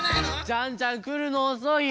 ジャンジャンくるのおそいよ。